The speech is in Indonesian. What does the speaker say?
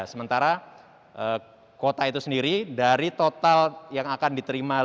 sementara kuota itu sendiri dari total yang akan diterima sembilan puluh dua tiga ratus tujuh puluh tujuh siswa